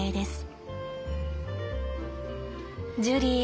ジュリー